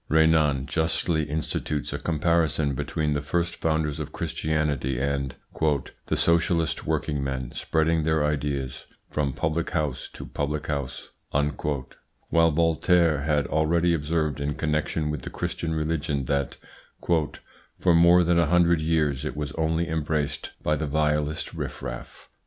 Renan justly institutes a comparison between the first founders of Christianity and "the socialist working men spreading their ideas from public house to public house"; while Voltaire had already observed in connection with the Christian religion that "for more than a hundred years it was only embraced by the vilest riff raff."